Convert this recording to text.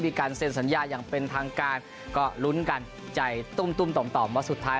มีการเซ็นสัญญาอย่างเป็นทางการก็ลุ้นกันใจตุ้มตุ้มต่อมต่อมว่าสุดท้าย